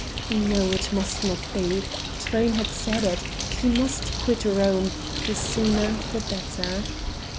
No, it must not be. Truyn had said it he must quit Rome the sooner the better.